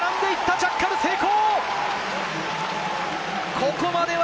ジャッカル成功！